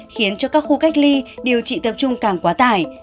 khiến cho các khu cách ly điều trị tập trung càng quá tải